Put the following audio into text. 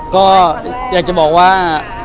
ก็อยากจะบอกว่า